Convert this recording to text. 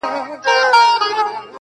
یوه ورځ به زه هم تنګ یمه له پلاره.!